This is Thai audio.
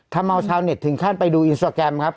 ทำเอาชาวเน็ตถึงขั้นไปดูอินสตราแกรมครับ